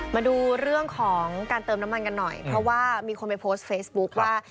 มาดูเรื่องของการเติมน้ำมันกันหน่อยเพราะว่ามีคนไปโพสต์เฟซบุ๊คว่า